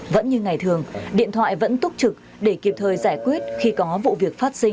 vẫn như ngày thường điện thoại vẫn túc trực để kịp thời giải quyết khi có vụ việc phát sinh